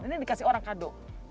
ini dikasih orang kadang